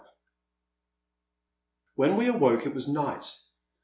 V. WHEN we awoke it was night.